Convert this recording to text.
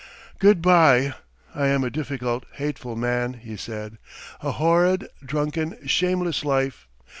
"Good bye ... I am a difficult, hateful man," he said. "A horrid, drunken, shameless life.